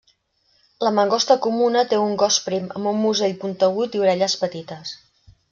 La mangosta comuna té un cos prim, amb un musell puntegut i orelles petites.